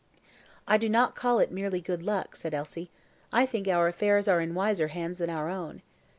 "I do not call it merely good luck," said Elsie; "I think our affairs are in wiser hands than our own."